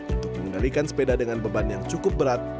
untuk mengendalikan sepeda dengan beban yang cukup berat